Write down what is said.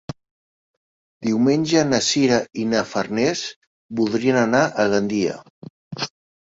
Diumenge na Sira i na Farners voldrien anar a Gandia.